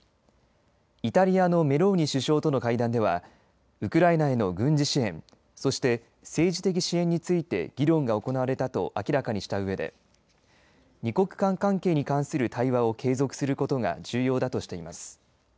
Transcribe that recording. イタリアのメローニ首相との会談ではウクライナへの軍事支援そして政治的支援について議論が行われたと明らかにしたうえで二国間関係に関する対話を継続することが重要だとしています。